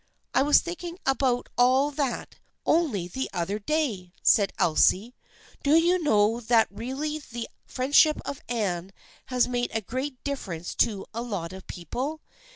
" I was thinking about all that only the other day/' said Elsie. " Do you know that really the friendship of Anne has made a great difference to a lot of people